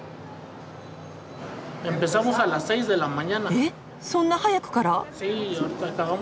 えっそんな早くから！？